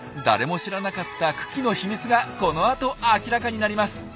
誰も知らなかった群来の秘密がこのあと明らかになります！